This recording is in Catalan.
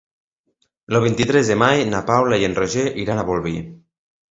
El vint-i-tres de maig na Paula i en Roger iran a Bolvir.